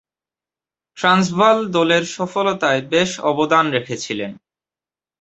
Transvaal দলের সফলতায় বেশ অবদান রেখেছিলেন।